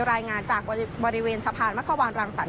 รายงานจากบริเวณสะพานมะขวานรังสรรค